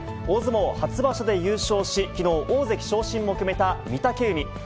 大相撲初場所で優勝し、きのう、大関昇進も決めた御嶽海。